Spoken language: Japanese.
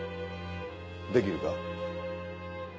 できるか？